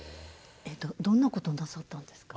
どんなことなさったんですか？